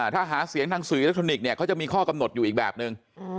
ถ้าหาเสียงทางสื่ออิเล็กทรอนิกส์เนี่ยเขาจะมีข้อกำหนดอยู่อีกแบบนึง